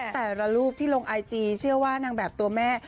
แต่ละรูปที่ลงไอจีเชื่อว่านางแบบตัวแม่